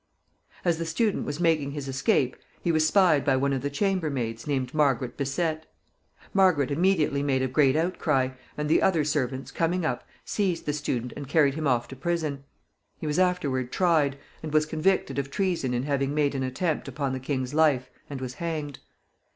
As the student was making his escape, he was spied by one of the chambermaids named Margaret Biset. Margaret immediately made a great outcry, and the other servants, coming up, seized the student and carried him off to prison. He was afterward tried, and was convicted of treason in having made an attempt upon the king's life, and was hanged.